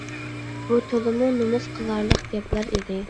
بۇ تولىمۇ نومۇس قىلارلىق گەپلەر ئىدى.